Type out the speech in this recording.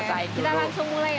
kita langsung mulai ya